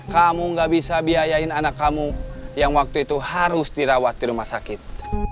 kamu gak bisa biayain anak kamu yang waktu itu harus dirawat di rumah sakit